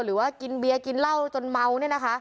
หรือว่ากินเบียร์กินเหล้าจนเมาเนี่ยนะคะ